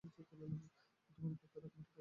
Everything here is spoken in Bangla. তোমার পা দ্বারা মাটিতে আঘাত কর।